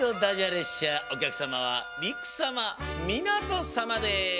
列車おきゃくさまはりくさまみなとさまです。